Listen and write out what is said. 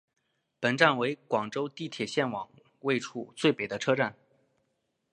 本站为广州地铁线网位处最北的车站。